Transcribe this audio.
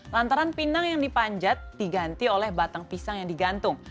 lantaran pinang yang dipanjat diganti oleh batang pisang yang digantung